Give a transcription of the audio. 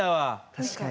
確かに。